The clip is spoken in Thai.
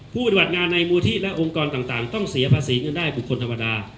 ปฏิบัติงานในมูลที่และองค์กรต่างต้องเสียภาษีเงินได้บุคคลธรรมดา